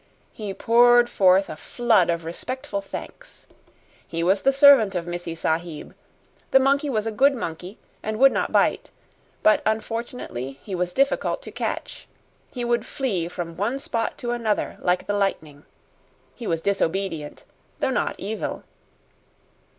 He poured forth a flood of respectful thanks. He was the servant of Missee Sahib. The monkey was a good monkey and would not bite; but, unfortunately, he was difficult to catch. He would flee from one spot to another, like the lightning. He was disobedient, though not evil.